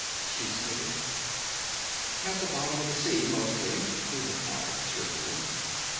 she sneered. "At the bottom of the sea, mostly," he replied cheerfully.